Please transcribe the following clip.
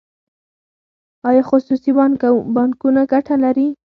آیا خصوصي بانکونه ګټه کوي؟